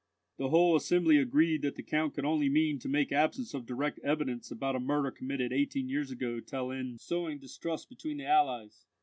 The whole assembly agreed that the Count could only mean to make the absence of direct evidence about a murder committed eighteen years ago tell in sowing distrust between the allies.